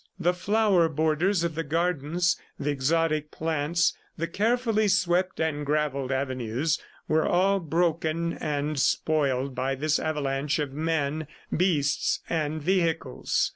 The flower borders of the gardens, the exotic plants, the carefully swept and gravelled avenues were all broken and spoiled by this avalanche of men, beasts and vehicles.